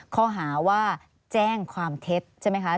ข้อหาว่าแจ้งความเท็จใช่ไหมคะ